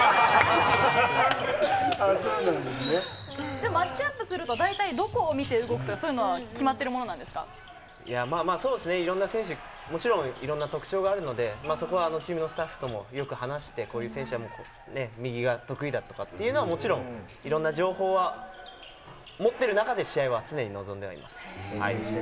でも、まっちゃんにすると、どこを見て動くとか、そういうのは決まってまあまあ、そうですね、いろんな選手、もちろんいろんな特徴があるので、そこはチームのスタッフともよく話して、こういう選手は右が得意だとかっていうのは、もちろんいろんな情報は持ってる中で、試合は常に臨んでます。